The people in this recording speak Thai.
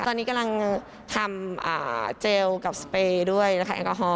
ตอนนี้กำลังทำเจลกับสเปย์ด้วยนะคะแอลกอฮอล